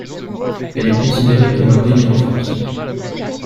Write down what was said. Elle est considérée comme un délit en France.